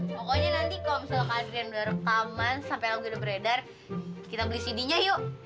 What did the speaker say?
pokoknya nanti kalo misalnya hadrian udah rekaman sampe album udah beredar kita beli cd nya yuk